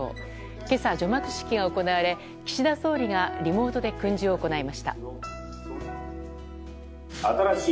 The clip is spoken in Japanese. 今朝、除幕式が行われ岸田総理がリモートで訓示を行いました。